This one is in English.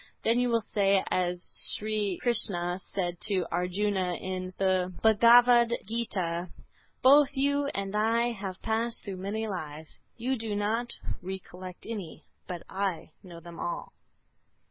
Then you will say as Sri Krishna said to Arjuna, in the "Bhagavad Gita:" "Both you and I have passed through many lives; you do not recollect any, but I know them all."